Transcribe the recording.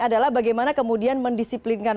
adalah bagaimana kemudian mendisiplinkan